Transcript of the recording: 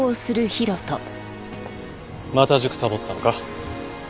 また塾サボったのか？